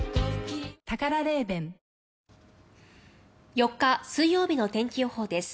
４日、水曜日の天気予報です。